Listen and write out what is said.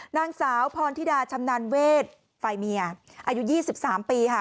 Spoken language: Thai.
นางสาวพรธิดาชำนาญเวทฝ่ายเมียอายุ๒๓ปีค่ะ